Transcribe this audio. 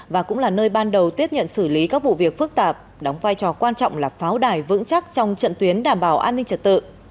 và cũng là nơi ban đầu tiếp nhận xử lý các vụ việc phức tạp đóng vai trò quan trọng là pháo đài vững chắc trong trận tuyến đảm bảo an ninh trật tự